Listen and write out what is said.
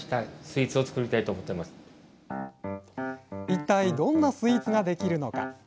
一体どんなスイーツができるのか？